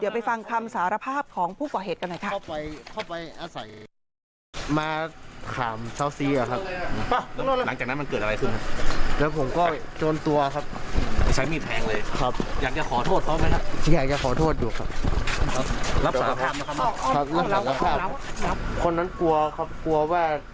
เดี๋ยวไปฟังคำสารภาพของผู้ก่อเหตุกันหน่อยค่ะ